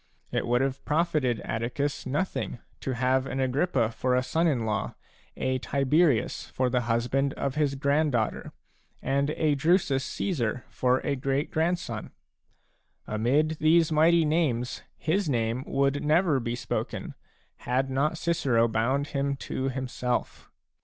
It would have profited Atticus nothing to have an Agrippa for a son in law, a Tiberius for the husband of his grand daughter, and a Drusus Caesar for a great grandson ; amid these mighty names his name would never be spoken, had not Cicero bound him to himself.